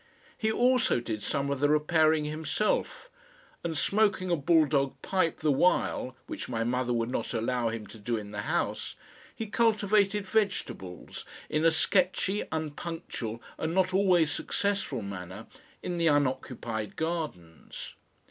He also did some of the repairing himself and, smoking a bull dog pipe the while, which my mother would not allow him to do in the house, he cultivated vegetables in a sketchy, unpunctual and not always successful manner in the unoccupied gardens.